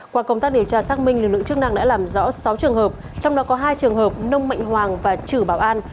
qua công tác điều tra xác minh lực lượng chức năng đã làm rõ sáu trường hợp trong đó có hai trường hợp nông mạnh hoàng và chử bảo an